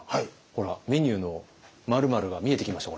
ほらメニューの「〇〇」が見えてきました？